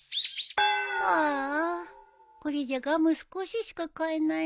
ああこれじゃあガム少ししか買えないね。